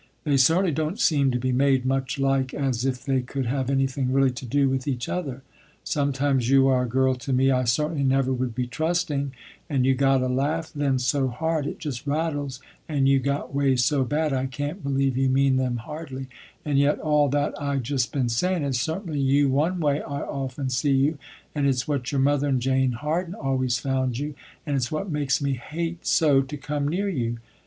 They certainly don't seem to be made much like as if they could have anything really to do with each other. Sometimes you are a girl to me I certainly never would be trusting, and you got a laugh then so hard, it just rattles, and you got ways so bad, I can't believe you mean them hardly, and yet all that I just been saying is certainly you one way I often see you, and it's what your mother and Jane Harden always found you, and it's what makes me hate so, to come near you.